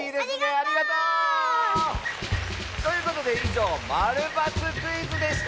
ありがとう！ということでいじょう「○×クイズ」でした！